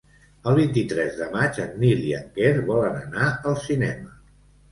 El vint-i-tres de maig en Nil i en Quer volen anar al cinema.